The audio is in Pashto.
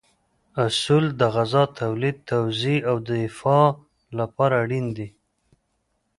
اصول د غذا تولید، توزیع او دفاع لپاره اړین دي.